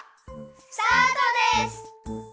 スタートです！